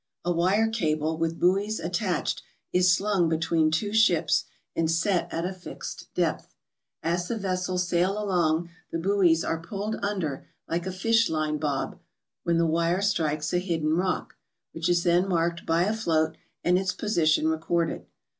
A wire cable with buoys attached is slung be tween two ships and set at a fixed depth. As the vessels sail along the buoys are jelled under like a fish line bob 7 ALASKA OUR NORTHERN WONDERLAND when the wire strikes a hidden rock, which is then marked by a float and its position recorded.